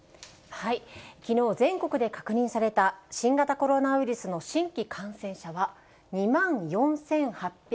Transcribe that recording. きのう、全国で確認された、新型コロナウイルスの新規感染者は２万４８３９人。